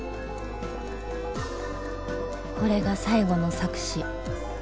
これが最後の作詞